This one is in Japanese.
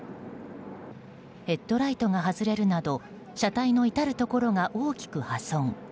ヘッドライトが外れるなど車体の至るところが大きく破損。